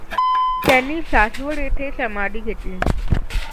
त्यांनी सासवड येथे समाधी घेतली.